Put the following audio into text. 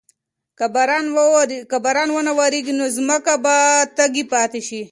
که باران ونه وریږي نو ځمکه به تږې پاتې شي.